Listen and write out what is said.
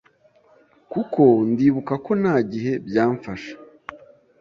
kuko ndibuka ko nta gihe byamfashe,